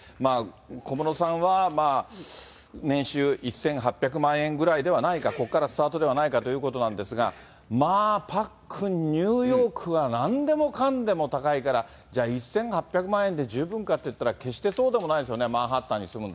小室さんは年収１８００万円ぐらいではないか、ここからスタートではないかということなんですが、まあパックン、ニューヨークはなんでもかんでも高いから、１８００万円で十分かっていったら、決してそうでもないですよね。